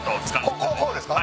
こっこうですか？